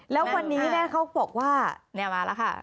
แล้ววันนี้เนี่ยเขาบอกว่าเนี่ยมาแล้วค่ะ